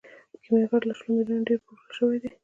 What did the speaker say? کیمیاګر له شلو میلیونو ډیر پلورل شوی دی.